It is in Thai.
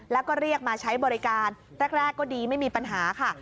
แล้วก็เรียกมาใช้บริการแรกก็ดีไม่มีปัญหาค่ะ